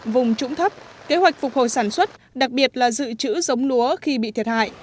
vùng trũng thấp kế hoạch phục hồi sản xuất đặc biệt là dự trữ giống lúa khi bị thiệt hại